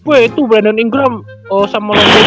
weh itu brandon ingram sama rodenzo suka dijual tuh